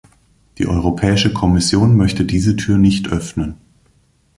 Die Europäische Kommission möchte diese Tür nicht öffnen.